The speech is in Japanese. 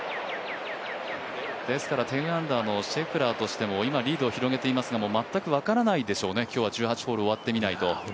ですから１０アンダーのシェフラーとしてもリードを広げていますが全く分からないでしょうね、今日は１８ホール終わってみないと。